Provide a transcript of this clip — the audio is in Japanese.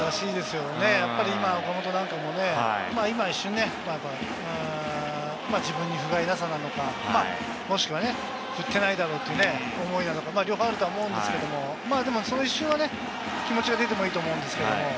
今、岡本なんかもね、一瞬、自分に不甲斐なさなのか、もしくは振ってないだろうという思いなのか、両方あると思うんですけれども、その一瞬はね、気持ちが出てもいいと思うんですけど。